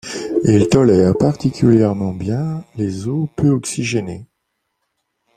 Il tolère particulièrement bien les eaux peu oxygénées.